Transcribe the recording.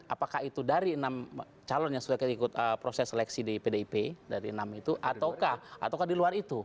apakah itu dari enam calon yang sudah kita ikut proses seleksi di pdip dari enam itu ataukah ataukah di luar itu